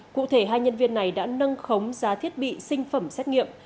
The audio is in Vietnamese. cụ thể hai nhân viên này đã nâng khống giá thiết bị sinh phẩm xét nghiệm